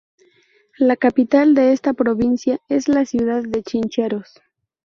La capital de esta provincia es la ciudad de Chincheros.